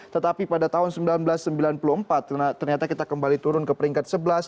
tetapi pada tahun seribu sembilan ratus sembilan puluh empat ternyata kita kembali turun ke peringkat sebelas